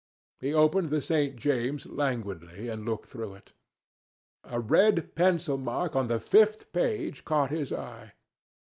He opened The St. James's languidly, and looked through it. A red pencil mark on the fifth page caught his eye.